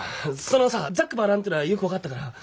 そのさ「ざっくばらん」ってのはよく分かったから。